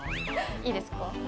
いいですか？